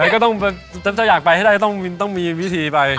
ก็ต้องถ้าอยากไปให้ได้ต้องมีพิธีไป